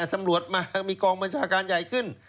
ตำรวจมามีกองบัญชาการใหญ่ขึ้น